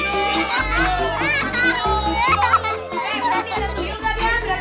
siapa bilang kamu juga takut